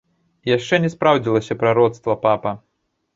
І яшчэ не спраўдзілася прароцтва папа.